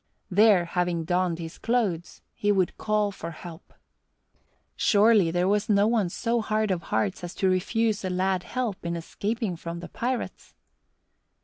There, having donned his clothes, he would call for help. Surely there was no one so hard of heart as to refuse a lad help in escaping from the pirates.